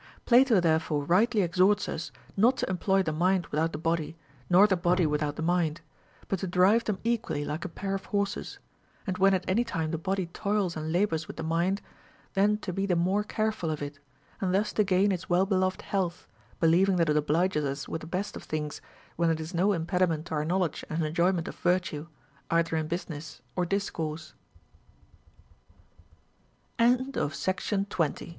Plato therefore rightly exhorts us not to employ the mind without the body, nor the body without the mind, but to drive them equally like a pair of horses ; and when at any time the body toils and labors with the mind, then to be the more careful of it, and thus to gain its well beloved health, believing that it obliges us with the best of things when it is no impediment to our knowledge and enjoyment of